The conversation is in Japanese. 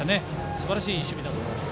すばらしい守備だと思います。